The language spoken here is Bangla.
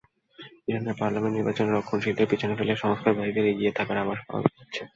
ইরানের পার্লামেন্ট নির্বাচনে রক্ষণশীলদের পেছনে ফেলে সংস্কারবাদীদের এগিয়ে থাকার আভাস পাওয়া গেছে।